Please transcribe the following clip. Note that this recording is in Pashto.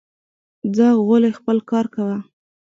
ځه غولی خپل کار کوه